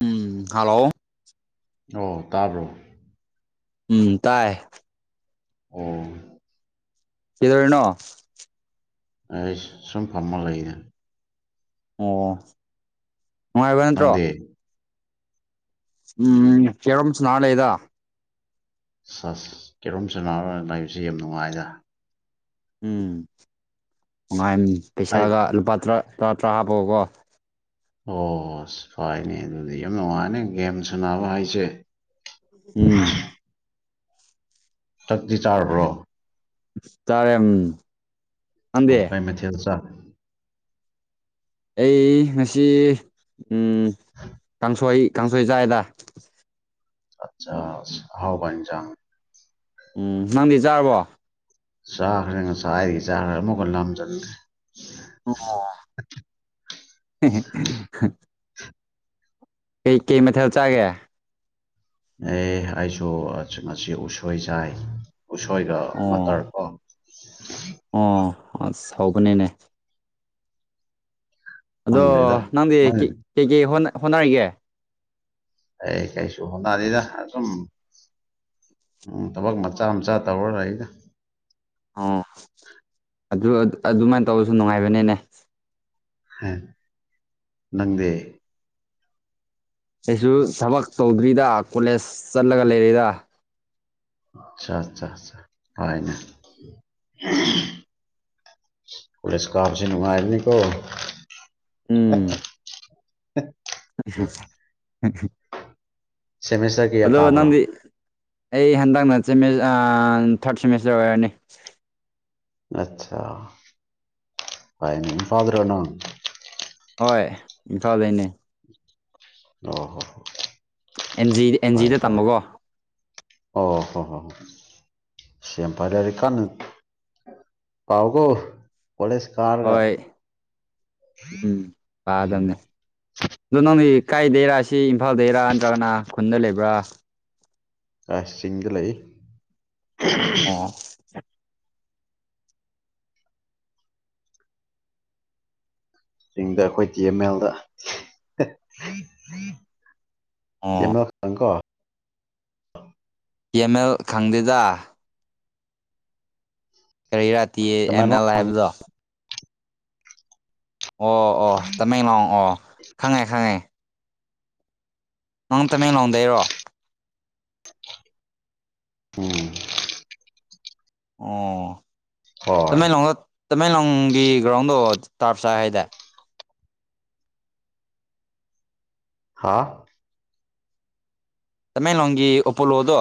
ꯎꯝ hello ꯑꯣ ꯇꯥꯕ꯭ꯔꯣ ꯎꯝ ꯇꯥꯏ ꯑꯣ ꯀꯗꯣꯣꯔꯅꯣ ꯑꯩ ꯁꯨꯝ ꯐꯝꯃ ꯂꯩꯅꯦ ꯑꯣ ꯅꯨꯡꯉꯥꯏꯕ꯭ꯔ ꯅꯠꯇ꯭ꯔꯣ ꯅꯪꯗꯤ ꯎꯝ ꯀꯦꯔꯣꯝꯁꯨ ꯅꯅꯥꯂꯦꯗ ꯁꯁ ꯀꯦꯔꯣꯝ ꯁꯅꯥ ꯂꯥꯛꯏꯕꯁꯤ ꯌꯥꯝ ꯅꯨꯡꯉꯥꯏꯗ ꯎꯝ ꯉꯥꯏ ꯑꯩ ꯄꯩꯁꯥꯒ ꯂꯨꯄꯥ ꯇꯔꯥ ꯇꯔꯥ ꯍꯥꯞꯄꯛꯑꯣꯀꯣ ꯑꯣ ꯐꯣꯏꯅꯦ ꯑꯗꯨꯗꯤ ꯌꯥꯝ ꯅꯨꯡꯉꯥꯏꯅꯤ ꯒꯦꯝ ꯁꯥꯟꯅꯕ ꯍꯥꯏꯁꯦ ꯎꯝ ꯇꯥꯛꯤ ꯆꯥꯈ꯭ꯔꯣ ꯇꯔꯦꯡ ꯑꯣ ꯀꯥꯏ ꯃꯊꯦꯜ ꯆ ꯑꯩ ꯉꯁꯤ ꯎ ꯀꯥꯡꯁꯣꯏ ꯀꯥꯡꯁꯣꯏ ꯖꯥꯥꯏꯗ ꯑꯆꯥ ꯍꯥꯎ ꯖꯥꯡ ꯎꯝ ꯅꯪꯗꯤ ꯆꯥꯔꯕꯣ ꯆꯥꯛꯈ꯭ꯔꯦꯅꯥꯏꯗꯤ ꯆꯈ꯭ꯔꯦ ꯑꯃꯨꯛꯀ ꯂꯝ ꯆꯟꯗꯦ ꯑꯣ ꯀꯩ ꯀꯩ ꯃꯊꯦꯜ ꯆꯥꯒꯦ ꯑꯦ ꯑꯩꯁꯨ ꯃꯁꯤ ꯎꯁꯣꯏ ꯆꯥꯏ ꯎꯁꯣꯏꯒ ꯃꯇꯇꯔ ꯑꯣ ꯀꯣ ꯑꯣ ꯑꯁ ꯍꯧꯕꯅꯦꯅꯦ ꯑꯗꯣ ꯈꯪꯗ꯭ꯔꯦꯗ ꯅꯪꯗꯤ ꯅꯪ ꯀꯩꯀꯩ ꯍꯣꯠꯅꯔꯤꯒꯦ ꯑꯩ ꯀꯩꯁꯨ ꯍꯣꯠꯅꯅꯤꯗ ꯁꯨꯝ ꯊꯕꯛ ꯃꯆꯥ ꯃꯆꯥ ꯇꯧꯔ ꯂꯩ ꯑꯩꯒ ꯑꯣ ꯑꯗꯨ ꯑꯗꯨꯃꯥꯏꯅ ꯇꯧꯕꯔꯁꯨ ꯅꯨꯡꯉꯥꯏꯕꯅꯦꯅꯦ ꯅꯪꯗꯦ ꯑꯩꯁꯨ ꯊꯕꯛ ꯇꯧꯗ꯭ꯔꯤꯗ ꯀꯣꯂꯦꯖ ꯆꯠꯂꯒ ꯂꯩꯔꯤꯗ ꯆꯥ ꯆꯥ ꯆꯥ ꯄꯥꯏꯅ ꯀꯣꯂꯦꯁ ꯀꯕꯁꯤ ꯅꯨꯡꯉꯥꯏꯕꯅꯤ ꯀꯣ ꯎ ꯎꯝ [unintelligible] ꯁꯦꯝꯃꯤꯁꯇꯔ ꯑꯗꯣ ꯅꯪꯗꯤ ꯑꯩ ꯍꯟꯗꯛꯅ ꯊꯥꯔꯠ ꯁꯦꯃꯤꯁꯇꯔ ꯑꯣꯏꯔꯅꯤ ꯑꯠꯁꯥ ꯐꯩꯅꯦ ꯏꯝꯐꯥꯜꯗ꯭ꯔꯣ ꯅꯪ ꯍꯣꯏ ꯏꯝꯐꯥꯜꯗꯩꯅꯦ ꯑꯣ ꯍꯣ ꯍ ꯑꯦꯟꯖꯤ ꯑꯦꯟꯖꯤꯗ ꯇꯝꯕꯀꯣ ꯑꯣ ꯍꯣ ꯍꯣ ꯍꯣꯏ ꯁꯦꯝ ꯐꯔꯦꯗꯤ ꯀꯥꯟꯅ ꯀꯥꯎ ꯀꯣ ꯄꯂꯦꯁ ꯀꯥꯔꯒ ꯍꯣꯏ ꯎꯝ ꯎꯝ ꯄꯥꯗꯝꯅꯦ ꯑꯗꯣ ꯅꯪꯗꯤ ꯀꯥꯏꯗꯩꯔꯥꯁꯤ ꯏꯝꯐꯥꯜꯗꯩꯔꯥ ꯅꯠꯇ꯭ꯔꯒꯅ ꯈꯨꯟꯗ ꯂꯩꯕ꯭ꯔꯥ ꯔ ꯆꯤꯡꯗ ꯂꯩ ꯑꯣ [inaudible] ꯆꯤꯡꯗ ꯑꯩꯈꯣꯏ ꯇꯤ ꯑꯦꯝ ꯑꯦꯜꯗꯤ ꯑꯣ ꯑꯦ ꯑꯪꯀꯣ ꯏꯃꯦꯜ ꯈꯪꯗꯦꯗ ꯀꯔꯤ ꯔꯥ ꯇꯤ ꯑꯦꯝ ꯇꯃꯦꯡꯂꯣꯡ ꯑꯦꯜ ꯈꯪ ꯍꯥꯏꯕꯗꯣ ꯑꯣ ꯑꯣ ꯇꯃꯦꯡꯂꯣꯡ ꯑꯣ ꯈꯪꯉꯦ ꯈꯪꯉꯦ ꯅꯪ ꯇꯃꯦꯡꯂꯣꯡꯗꯩꯔꯣ ꯎꯝ ꯑꯣ ꯍꯣꯏ ꯇꯃꯦꯡꯂꯣꯡꯗ ꯇꯃꯦꯡꯂꯣꯡꯒꯤ ꯒ꯭ꯔꯥꯎꯟꯗꯣ ꯇꯥꯔꯞ ꯆꯥꯏ ꯍꯥꯏꯗ ꯍꯥꯥ ꯇꯃꯦꯡꯂꯣꯡꯒꯤ ꯑꯣꯄꯣꯂꯣꯗꯣ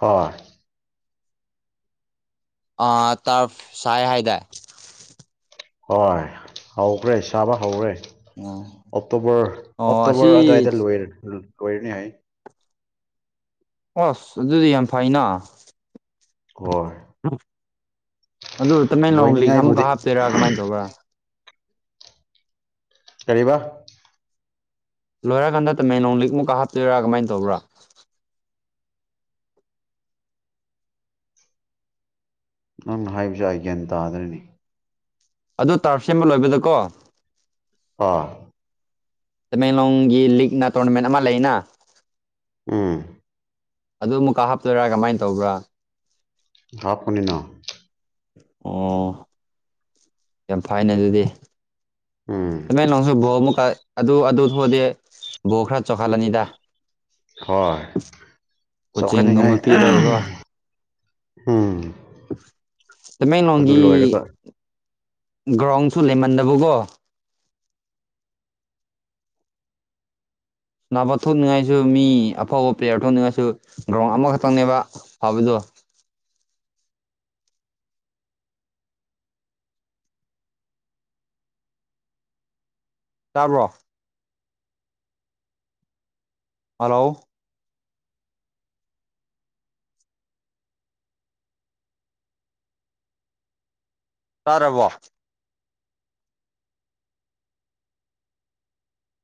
ꯍꯣꯏ ꯑ ꯇꯔꯞ ꯁꯥꯏ ꯍꯥꯏꯗꯥꯏ ꯍꯣꯏ ꯍꯧꯈ꯭ꯔꯦ ꯆꯥꯕ ꯍꯧꯈ꯭ꯔꯦ ꯑꯣꯛꯇꯣꯕꯔ ꯑꯣ ꯑꯁꯤ ꯑꯣꯛꯇꯣꯕꯔ ꯑꯗꯨꯋꯥꯏꯗ ꯂꯣꯏ ꯂꯣꯏꯔꯅꯤ ꯍꯥꯏ ꯑꯁ ꯑꯗꯨꯗꯤ ꯌꯥꯝ ꯐꯩꯅ ꯍꯣꯏ ꯑꯗꯨ ꯇꯃꯦꯡꯂꯣꯡ ꯂꯤꯛ ꯑꯃꯨꯛꯀ ꯂꯣꯏꯅꯤꯡꯉꯥꯏꯕꯨꯗꯤ ꯍꯥꯞꯇꯣꯏꯔꯥ ꯀꯃꯥꯏꯅ ꯇꯧꯕ꯭ꯔꯥ ꯀꯔꯤꯕ ꯂꯣꯏꯔꯀꯥꯟꯗ ꯇꯃꯦꯡꯂꯣꯡ ꯂꯤꯛꯃꯨꯛꯀ ꯍꯥꯞꯇꯣꯏꯔꯥ ꯀꯃꯥꯏꯅ ꯇꯧꯕ꯭ꯔꯥ ꯅꯪꯅ ꯍꯥꯏꯕꯁꯦ ꯑꯩ ꯒ꯭ꯌꯥꯟ ꯇꯥꯗ꯭ꯔꯦꯅꯦ ꯑꯗꯨ ꯇꯥꯔꯞ ꯁꯦꯝꯕ ꯂꯣꯏꯕꯗꯀꯣ ꯑꯥ ꯇꯃꯦꯡꯂꯣꯡꯒꯤ ꯂꯤꯛꯅ ꯇꯣꯔꯅꯥꯃꯦꯟ ꯑꯃ ꯂꯩꯅ ꯎꯝ ꯑꯗꯨ ꯑꯃꯨꯛꯀꯥ ꯍꯥꯞꯇꯣꯏꯔꯥ ꯀꯃꯥꯏꯅ ꯇꯧꯕ꯭ꯔꯥ ꯀꯥꯞꯄꯅꯤꯅ ꯑꯣ ꯌꯥꯝ ꯐꯩꯅꯦ ꯑꯗꯨꯗꯤ ꯎꯝ ꯇꯃꯦꯂꯣꯡꯁꯨ ꯕꯣ ꯑꯃꯨꯛ ꯑꯗꯨ ꯑꯗꯨ ꯊꯣꯛꯗꯦ ꯕꯣ ꯈꯔ ꯆꯥꯎꯈꯥꯠꯂꯅꯤꯗ ꯍꯣꯏ ꯀꯣꯆꯤꯡꯒꯨꯝꯕ ꯆꯥꯎꯈꯠꯅꯤꯡꯉꯥꯏ ꯄꯤꯔꯒꯀꯣ ꯎꯝ ꯑꯗꯨ ꯇꯃꯦꯡꯂꯣꯡꯒꯤ ꯂꯣꯏꯔꯒ ꯒ꯭ꯔꯥꯎꯟꯁꯨ ꯂꯩꯃꯟꯗꯕꯀꯣ ꯅꯥꯕ ꯊꯣꯛꯅꯤꯡꯉꯥꯏꯁꯨ ꯃꯤ ꯑꯐꯕ ꯄ꯭ꯂꯦꯌꯥꯔ ꯊꯣꯛꯅꯤꯡꯉꯥꯏꯁꯨ ꯒ꯭ꯔꯥꯎꯟ ꯑꯃꯈꯛꯇꯪꯅꯦꯕ ꯐꯕꯗꯣ ꯇꯥꯕ꯭ꯔꯣ ꯍꯂꯣ ꯇꯥꯔꯕꯣ